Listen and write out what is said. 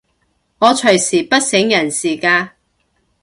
我隨時不省人事㗎